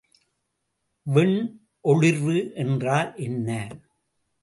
வெண்ணொளிர்வு என்றால் என்ன?